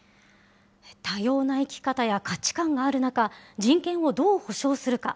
多様な生き方や価値観がある中、人権をどう保障するか。